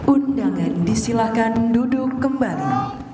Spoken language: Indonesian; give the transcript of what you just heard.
undangan disilahkan duduk kembali